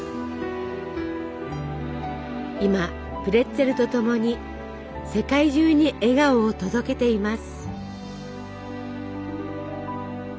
今プレッツェルとともに世界中に笑顔を届けています。